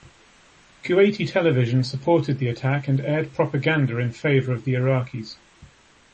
Kuwaiti television supported the attack and aired propaganda in favor of the Iraqis.